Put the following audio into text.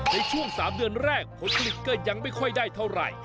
ในช่วง๓เดือนแรกผลผลิตก็ยังไม่ค่อยได้เท่าไหร่